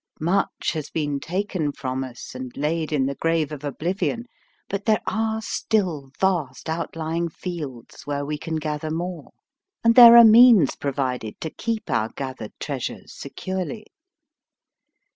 Much has been taken from us and laid in the grave of oblivion, but there are still vast outlying fields where we can 78 MIND, MATTER gather more, and there are means pro vided to keep our gathered treasures securely.